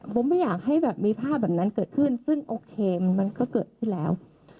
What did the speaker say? ผมไม่อยากให้แบบมีภาพแบบนั้นเกิดขึ้นซึ่งโอเคมันก็เกิดขึ้นแล้ว